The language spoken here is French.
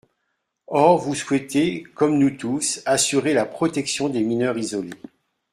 Or vous souhaitez, comme nous tous, assurer la protection des mineurs isolés.